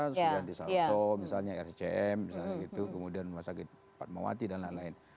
sudah di salso misalnya rcm kemudian rumah sakit padmawati dan lain lain